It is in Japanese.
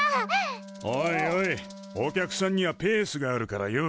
お客さんにはペースがあるからよ。